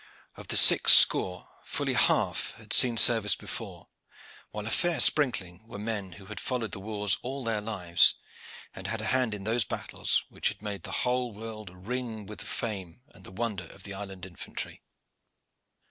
Of the six score, fully half had seen service before, while a fair sprinkling were men who had followed the wars all their lives, and had a hand in those battles which had made the whole world ring with the fame and the wonder of the island infantry.